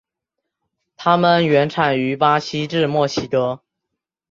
它们原产于巴西至墨西哥。